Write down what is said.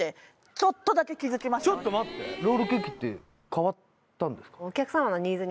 ちょっと待ってロールケーキって変わったんですか？